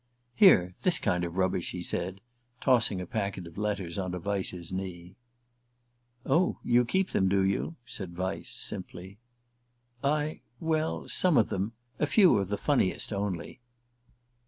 "Here this kind of rubbish," he said, tossing a packet of letters onto Vyse's knee. "Oh you keep them, do you?" said Vyse simply. "I well some of them; a few of the funniest only."